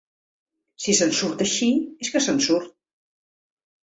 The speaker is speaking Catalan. Si se'n surt així és que se'n surt.